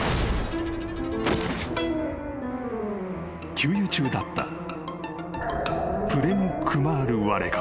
［給油中だったプレム・クマール・ワレカー。